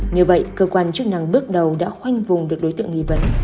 như vậy cơ quan chức năng bước đầu đã khoanh vùng được đối tượng nghi vấn